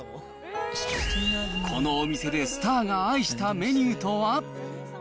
このお店でスターが愛したメニューとは。